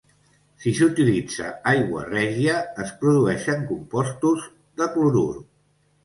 Si s'utilitza "aigua règia", es produeixen compostos de clorur.